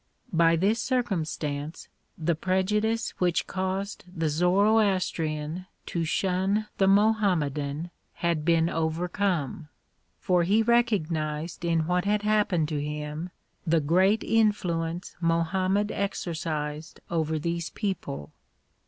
By this circum stance the prejudice which caused the Zoroastrian to shun the IMo hammedan had been overcome; for he recognized in what had hap pened to him the great influence Mohammed exercised over these people.